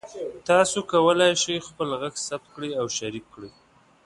تاسو کولی شئ خپل غږ ثبت کړئ او شریک کړئ.